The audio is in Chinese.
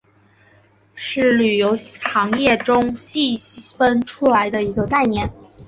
是旅游行业中细分出来的一个概念。